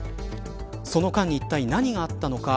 その間にいったい何があったのか。